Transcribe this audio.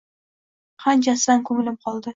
Qanchasidan ko’nglim qoldi.